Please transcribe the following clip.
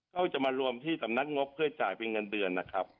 ก็จะมารวมที่สำนักงบเพื่อจ่ายเป็นเงินเดือนนะครับ